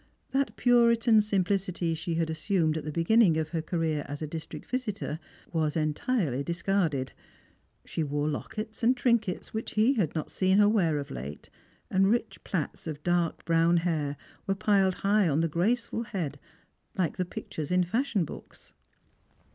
That Puritan simplicity she had assumed at the beginning of her career as a district visitor was entirely dis carded. She wore lockets and trinkets which he had not seen her wear of late, and rich plaits of dark brown hair were piled high on the graceful head, like the pictures in fashion books.